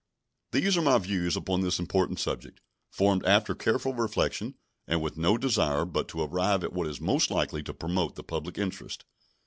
These are my views upon this important subject, formed after careful reflection and with no desire but to arrive at what is most likely to promote the public interest.